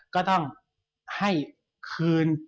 ก็ต้องให้คืน